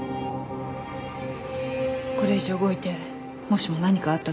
これ以上動いてもしも何かあったときは。